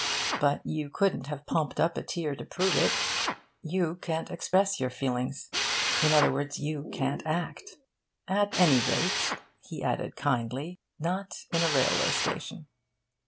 But you couldn't have pumped up a tear to prove it. You can't express your feelings. In other words, you can't act. At any rate,' he added kindly, 'not in a railway station.'